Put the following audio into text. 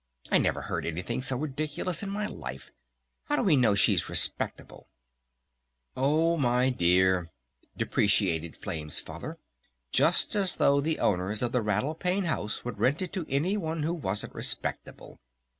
"I never heard anything so ridiculous in my life! How do we know she's respectable?" "Oh, my dear," deprecated Flame's Father. "Just as though the owners of the Rattle Pane House would rent it to any one who wasn't respectable!"